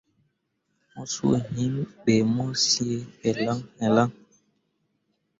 Mo zuu yim be mo cii ella ella.